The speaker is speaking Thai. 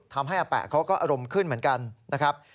ทำให้อาแปะเขาก็อารมณ์ขึ้นเหมือนกันนะครับ